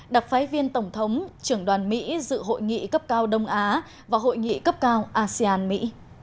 đặc phái viên tổng thống trưởng đoàn mỹ dự hội nghị cấp cao đông á và hội nghị cấp cao asean mỹ